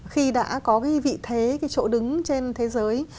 khi đã có cái vị thế cái chỗ đứng trên thế giới